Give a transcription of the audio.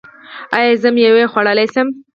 ایا زه میوه خوړلی شم؟